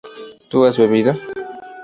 ¿tú has bebido?